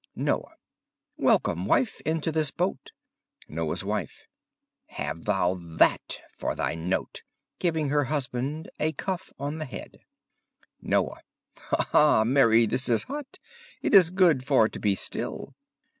_ Noye Welckome, wiffe, into this botte. Noye's Wiffe Have thou that for thy note! (Giving her husband a cuff on the head). Noye Ha, ha! Marye, this is hotte! It is good for to be still.